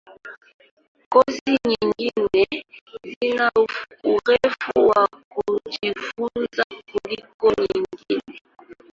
Kozi nyingine zina urefu wa kujifunza kuliko nyingine.